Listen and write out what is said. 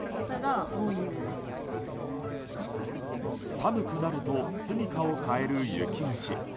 寒くなるとすみかを変える雪虫。